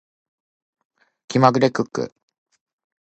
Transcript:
気まぐれクック